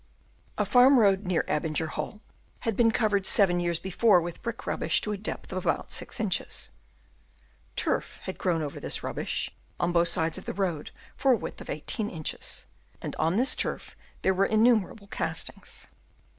A farm road near Abinger Hall had been covered seven years before with brick rubbish to the depth of about 6 inches ; turf had grown over this rubbish on both sides of the road for a width of 18 inches, and on this turf there Chap. V. AND DENUDATION. 255 were innumerable castings.